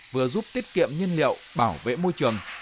vừa giúp tiết kiệm nhiên liệu bảo vệ môi trường